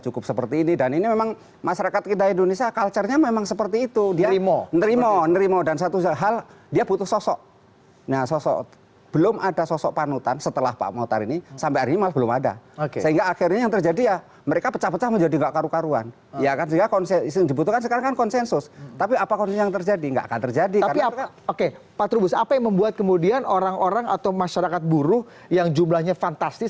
oke pak turmus apa yang membuat kemudian orang orang atau masyarakat buruh yang jumlahnya fantastis